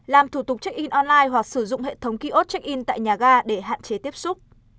làm thủ tục check in online hoặc sử dụng hệ thống kiosk check in tại nhà ga để hạn chế tiếp xúc